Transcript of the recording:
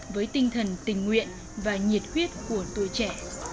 với tinh thần tình nguyện và nhiệt huyết của tuổi trẻ